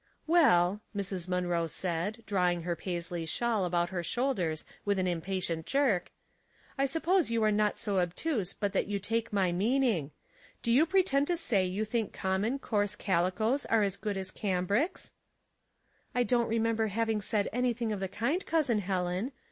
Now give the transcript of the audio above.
" Well," Mrs. Munroe said, drawing her Paisley shawl about her shoulders with an impa tient jerk, " I suppose you are not so obtuse but 246 Household Puzzles. that 3^ou take my meaning. Do you pretend to say 3^ou think common, coarse calicoes are as good as cambrics ?"*' I don't remember having said anything of the kind, Cousin Helen.